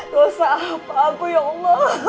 dosa hap aku ya allah